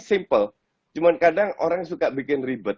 tapi kadang kadang orang suka membuat hal yang lebih ribet